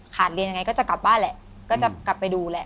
เรียนยังไงก็จะกลับบ้านแหละก็จะกลับไปดูแหละ